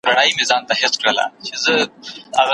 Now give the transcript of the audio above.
د نورو او اکثریت شاعرانو نه ورته پام کوي